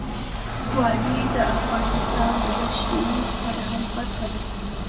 وادي د افغانستان د بشري فرهنګ برخه ده.